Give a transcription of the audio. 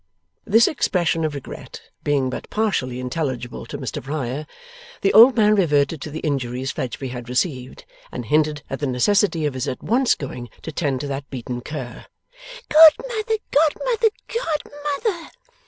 This expression of regret being but partially intelligible to Mr Riah, the old man reverted to the injuries Fledgeby had received, and hinted at the necessity of his at once going to tend that beaten cur. 'Godmother, godmother, godmother!